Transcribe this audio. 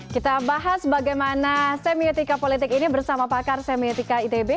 kita bahas bagaimana semiotika politik ini bersama pakar semiotika itb